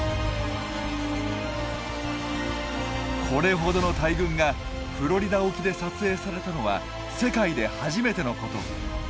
これほどの大群がフロリダ沖で撮影されたのは世界で初めてのこと！